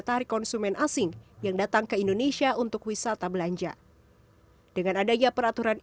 tarik konsumen asing yang datang ke indonesia untuk wisata belanja dengan adanya peraturan